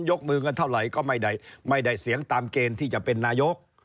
ยกมือกันเท่าไหร่ก็ไม่ได้เสียงตามเกณฑ์ที่จะเป็นนายก